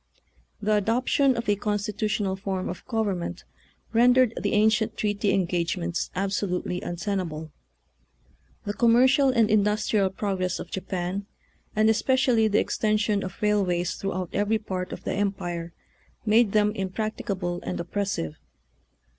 The adoption of a constitutional form of government rendered the ancient treaty engagements absolutely untenable. The commercial and industrial progress of Japan, and especially the extension of railways throughout every part of the Empire, made them impracticable and op pressive.